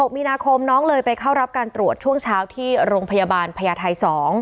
มีนาคมน้องเลยไปเข้ารับการตรวจช่วงเช้าที่โรงพยาบาลพญาไทย๒